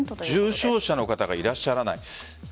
重症者の方がいらっしゃらない。